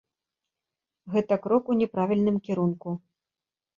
Гэта крок у няправільным кірунку.